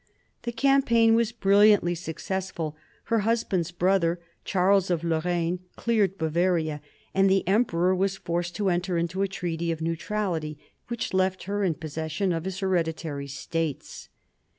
The campaign was brilliantly successful Her husband's brother, Charles of Lorraine, cleared Bavaria, and the emperor was forced to enter into a treaty of neutrality which left her in possession of his hereditary states.